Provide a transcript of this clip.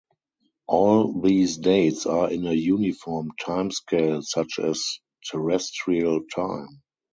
All these dates are in a uniform time scale such as Terrestrial Time.